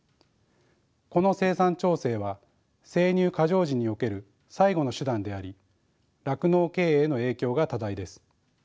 この生産調整は生乳過剰時における最後の手段であり酪農経営への影響が多大です。